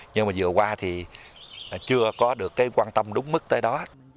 nhưng mà vừa qua thì chưa có được cái quan tâm đúng mức tới đó